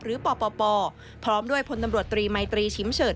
ปปพร้อมด้วยพลตำรวจตรีมัยตรีชิมเฉิด